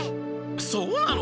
そうなの！？